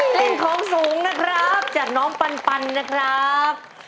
เล่นของสูงนะครับจากน้องปันนะครับ